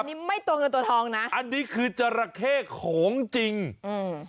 อันนี้ไม่ตัวเงินตัวทองนะอันนี้คือจราเข้ของจริงอืม